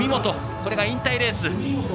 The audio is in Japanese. これが引退レース。